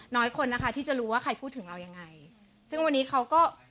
น้อยคนนะคะที่จะรู้ว่าใครพูดถึงเรายังไงซึ่งวันนี้เขาก็